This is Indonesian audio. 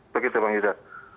begitu bang irsya